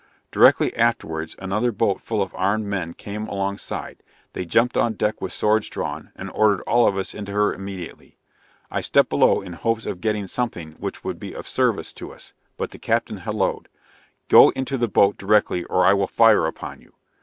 Directly afterwards another boat full of armed men came along side; they jumped on deck with swords drawn, and ordered all of us into her immediately; I stepped below, in hopes of getting something which would be of service to us; but the captain hallooed, "Go into the boat directly or I will fire upon you."